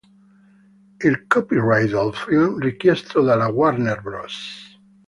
Il copyright del film, richiesto dalla Warner Bros.